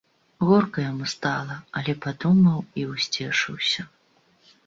Горка яму стала, але падумаў і ўсцешыўся.